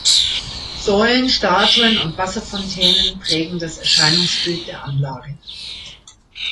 Säulen, Statuen und Wasser-Fontänen prägen das Erscheinungsbild der Anlage.